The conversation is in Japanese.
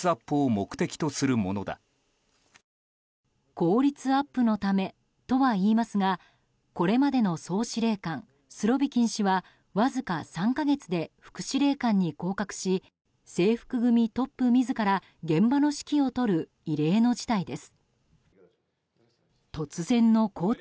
効率アップのためとは言いますがこれまでの総司令官スロビキン氏はわずか３か月で副司令官に降格し制服組トップ自ら現場の指揮を執る異例の事態です。